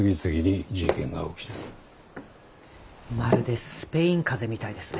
まるでスペイン風邪みたいですね。